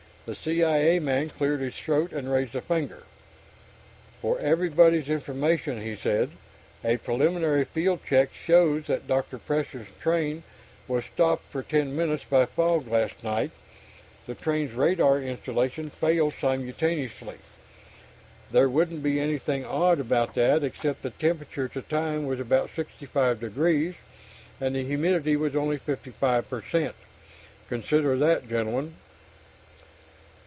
The C.I.A. man cleared his throat and raised a finger. "For everybody's information," he said, "a preliminary field check shows that Dr. Preston's train was stopped for ten minutes by fog last night. The train's radar installation failed simultaneously. There wouldn't be anything odd about that except the temperature at the time was about 65 degrees, and the humidity was only 55 per cent. Consider that, gentlemen.